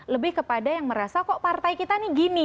lebih kepada yang merasa kok partai kita ini gini